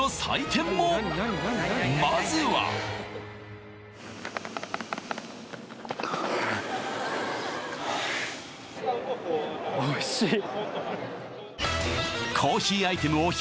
まずはおいしい！